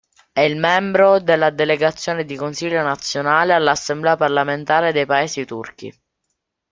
È il membro della delegazione di Consiglio Nazionale all’Assemblea parlamentare dei Paesi turchi.